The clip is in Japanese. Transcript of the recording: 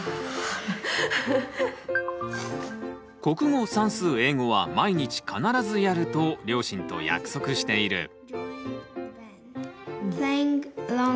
国語算数英語は毎日必ずやると両親と約束している。